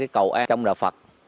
cầu an trong đạo phật